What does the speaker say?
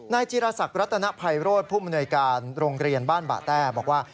นายจิรษักรัฐนภัยโรศผู้มนุยการโรงเรียนบ้านบะแท้บอกว่า